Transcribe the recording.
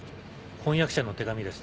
婚約者の手紙です。